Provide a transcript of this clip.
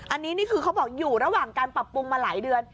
อันนี้นี่คือเขาบอกอยู่ระหว่างการปรับปรุงมาหลายเดือน